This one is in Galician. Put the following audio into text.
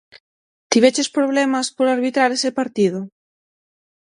Tiveches problemas por arbitrar ese partido?